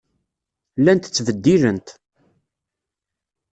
Llant ttbeddilent.